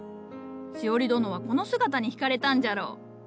しおり殿はこの姿に惹かれたんじゃろう。